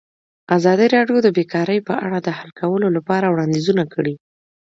ازادي راډیو د بیکاري په اړه د حل کولو لپاره وړاندیزونه کړي.